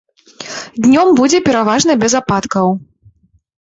Днём будзе пераважна без ападкаў.